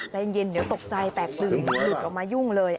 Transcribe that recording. ใจเย็นเดี๋ยวตกใจแตกตื่นหลุดออกมายุ่งเลย